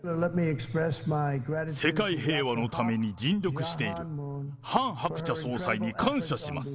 世界平和のために尽力しているハン・ハクチャ総裁に感謝します。